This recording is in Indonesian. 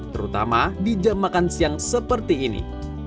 terutama di jam makan siang seperti ini